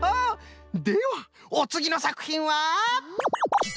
ではおつぎのさくひんは？